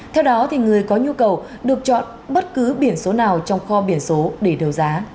theo đó người có nhu cầu được chọn bất cứ biển số nào trong kho biển số để đấu giá